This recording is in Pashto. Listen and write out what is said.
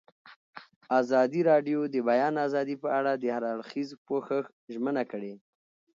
ازادي راډیو د د بیان آزادي په اړه د هر اړخیز پوښښ ژمنه کړې.